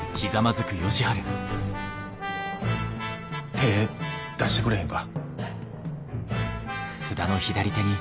手ぇ出してくれへんか。